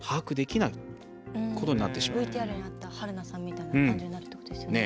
ＶＴＲにあったはるなさんみたいな感じになるってことですよね。